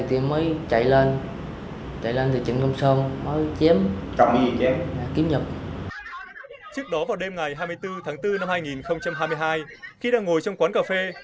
trước đó vào đêm ngày hai mươi bốn tháng bốn năm hai nghìn hai mươi hai khi đang ngồi trong quán cà phê